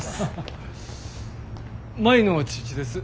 舞の父です。